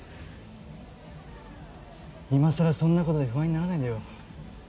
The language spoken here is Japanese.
今更そんなことで不安にならないでよ。